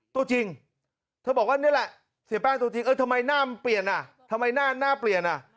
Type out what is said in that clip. ตัวจริงเธอบอกว่านี่แหละเสียแป้งตัวจริงเออทำไมหน้ามันเปลี่ยนน่ะ